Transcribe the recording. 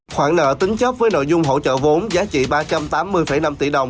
khoản nợ tính chất với nội dung hỗ trợ vốn giá trị ba trăm tám mươi năm tỷ đồng